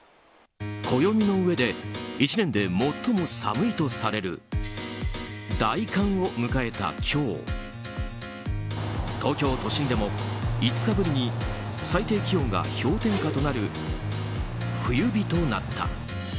暦の上で１年で最も寒いとされる大寒を迎えた今日東京都心でも５日ぶりに最低気温が氷点下となる冬日となった。